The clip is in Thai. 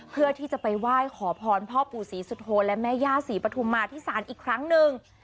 เพื่อที่จะไปไหว้ขอพรพ่อปู่ศรีสุโธและแม่ย่าศรีปฐุมมาที่ศาลอีกครั้งหนึ่ง